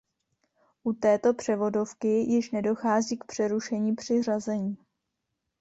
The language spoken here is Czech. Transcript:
U této převodovky již nedochází k přerušení při řazení.